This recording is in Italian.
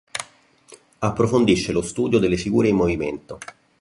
Approfondisce lo studio delle figure in movimento.